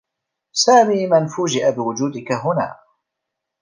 سامي من فوجئ بوجودك هنا.